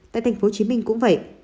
tại tp hcm cũng vậy